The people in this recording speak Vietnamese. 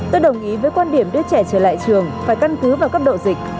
tôi đồng ý với quan điểm đưa trẻ trở lại trường phải căn cứ vào cấp độ dịch